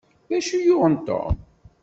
D acu i yuɣen Tom?